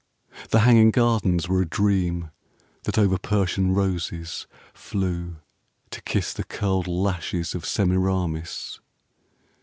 The Hanging Gardens were a dream That over Persian roses flew to kiss The curled lashes of Semiramis.